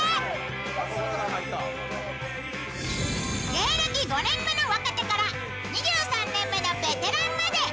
芸歴５年目の若手から２３年目のベテランまで。